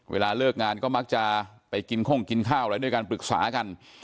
เวลาเลิกงานก็มักจะไปกินข้งกินข้าวอะไรด้วยการปรึกษากัน